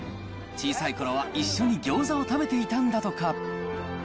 小さいころは一緒にギョーザを食べていたんだとか。